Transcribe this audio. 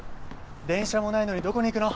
電車もないのにどこに行くの？